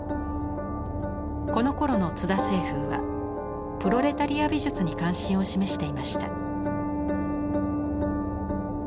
このころの津田青楓はプロレタリア美術に関心を示していました。